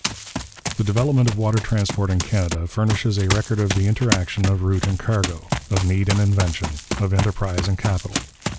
The development of water transport in Canada furnishes a record of the interaction of route and cargo, of need and invention, of enterprise and capital.